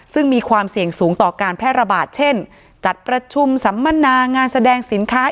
ซึ่งมีความเสี่ยงสูงต่อการแพร่ระบาดเช่นจัดประชุมสัมมนางานแสดงสินค้า